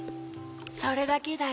・それだけだよ。